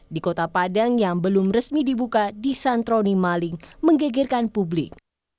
di kota padang yang belum resmi dibuka di santroni maling menggegerkan publik